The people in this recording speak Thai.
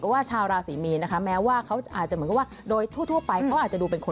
เก็บซ่อนความรู้สึก